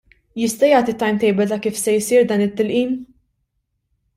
Jista' jagħti timetable ta' kif se jsir dan it-tilqim?